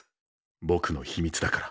僕の秘密だから。